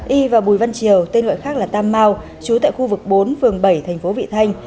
y vào bùi văn triều tên gọi khác là tam mau trú tại khu vực bốn phường bảy thành phố vị thanh